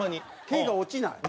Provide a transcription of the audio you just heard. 毛が落ちない？